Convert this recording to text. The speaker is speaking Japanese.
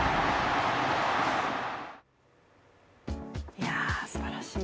いや、すばらしい。